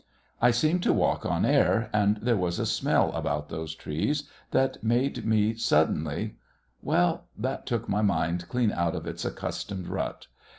I seemed to walk on air, and there was a smell about those trees that made me suddenly well, that took my mind clean out of its accustomed rut.